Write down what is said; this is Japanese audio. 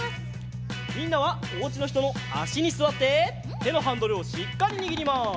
みんなはおうちのひとのあしにすわっててのハンドルをしっかりにぎります。